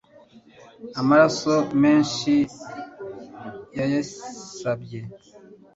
Amaraso menshi yayisabye